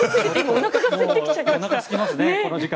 おなかがすきますね。